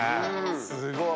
すごい！